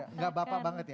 enggak bapak banget ya